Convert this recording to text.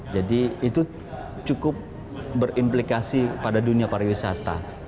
jadi itu cukup berimplikasi pada dunia pariwisata